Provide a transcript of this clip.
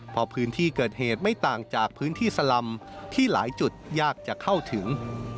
เพราะพื้นที่เกิดเหตุไม่ต่างจากพื้นที่สลำที่หลายจุดยากจะเข้าถึง